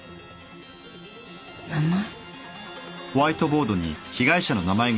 名前。